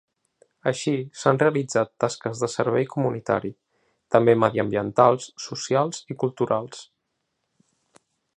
Així, s’han realitzat tasques de servei comunitari, també mediambientals, socials i culturals.